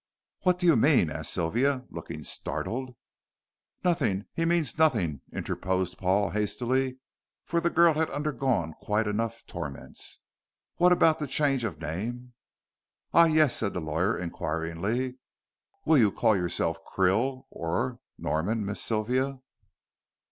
"What do you mean?" asked Sylvia, looking startled. "Nothing he means nothing," interposed Paul hastily, for the girl had undergone quite enough torments. "What about the change of name?" "Ah yes!" said the lawyer, inquiringly. "Will you call yourself Krill or Norman, Miss Sylvia?"